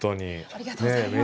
ありがとうございます。